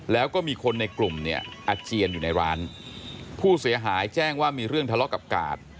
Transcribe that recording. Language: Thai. แล้วก็มีคนในกลุ่มเนี่ยอาเจียนอยู่ในร้านผู้เสียหายแจ้งว่ามีเรื่องทะเลาะกับกาด